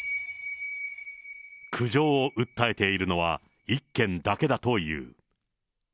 苦情を訴えているのは１軒だけだという。